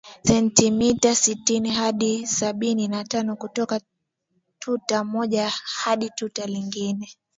sentimita sitini hadi sabini na tano kutoka tuta moja hadi tuta lingine